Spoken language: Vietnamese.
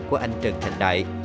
của anh trần thành đại